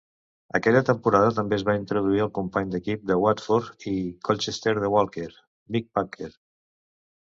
Aquella temporada també es va introduir el company d'equip de Watford i Colchester de Walker, Mick Packer.